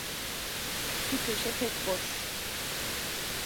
Şu köşe pek boş.